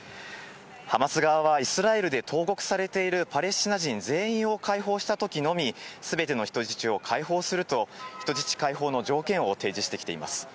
ハマス側はイスラエルで投獄されているパレスチナ人全員を解放したときのみ、すべての人質を解放すると、人質解放の条件を提示してきています。